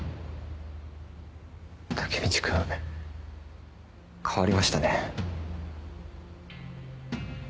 タケミチ君変わりましたね。